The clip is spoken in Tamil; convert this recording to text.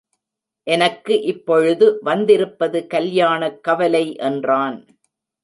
எனக்கு இப்பொழுது வந்திருப்பது கல்யாணக் கவலை என்றான்.